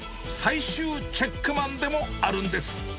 最終チェックマンでもあるんです。